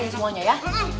abisin semuanya ya